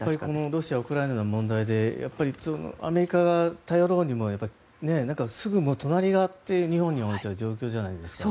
ロシアやウクライナの問題でアメリカに頼ろうにもすぐ隣り合っている日本にもっていう状況じゃないですか。